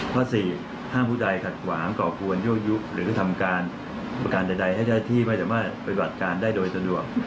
๔ห้ามผู้ใดขัดขวางก่อกวนยั่วยุหรือทำการประการใดให้เจ้าที่ไม่สามารถปฏิบัติการได้โดยสะดวก